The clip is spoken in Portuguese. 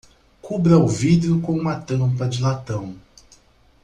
Cubra o vidro com uma tampa de latão.